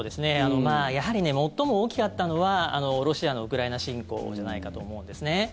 やはり最も大きかったのはロシアのウクライナ侵攻じゃないかと思うんですね。